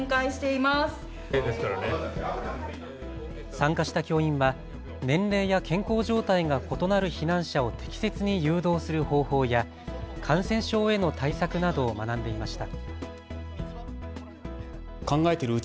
参加した教員は年齢や健康状態が異なる避難者を適切に誘導する方法や感染症への対策などを学んでいました。